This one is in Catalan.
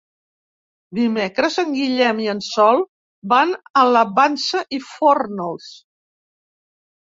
Dimecres en Guillem i en Sol van a la Vansa i Fórnols.